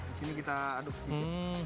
disini kita aduk sedikit